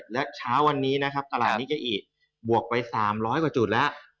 และเช้าวันนี้นะครับตลาดนิเกอิบวกไป๓๐๐กว่าจุดแล้ว